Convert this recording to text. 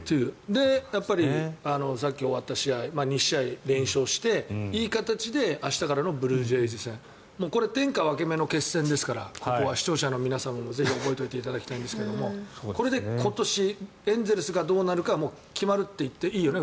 で、やっぱりさっき終わった試合２試合連勝していい形で明日からのブルージェイズ戦これは天下分け目の決戦ですからここは視聴者の皆さんもぜひ覚えておいていただきたいんですがこれで今年、エンゼルスがどうなるかは決まると言っていいよね？